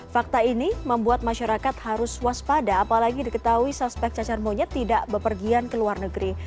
fakta ini membuat masyarakat harus waspada apalagi diketahui suspek cacar monyet tidak bepergian ke luar negeri